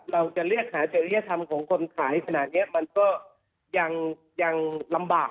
เราจะเรียกหาจริยธรรมของคนขายขนาดนี้มันก็ยังลำบาก